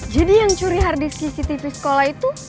jadi yang curi hardisk cctv sekolah itu